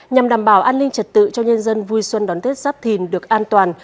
nhằm đảm bảo an ninh trật tự cho nhân dân vui xuân đón tết giáp thìn được an toàn